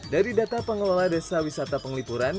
dari data pengelola desa wisata penglipuran